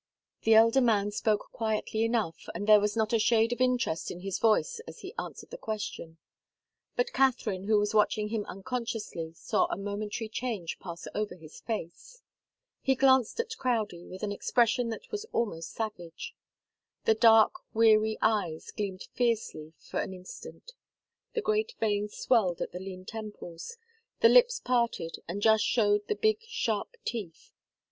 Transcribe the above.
The elder man spoke quietly enough, and there was not a shade of interest in his voice as he answered the question. But Katharine, who was watching him unconsciously, saw a momentary change pass over his face. He glanced at Crowdie with an expression that was almost savage. The dark, weary eyes gleamed fiercely for an instant, the great veins swelled at the lean temples, the lips parted and just showed the big, sharp teeth.